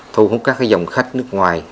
thu hút các dòng khách nước ngoài